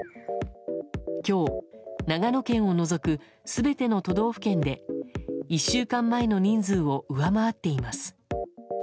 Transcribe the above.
今日、長野県を除く全ての都道府県で１週間前の人数を上回っています。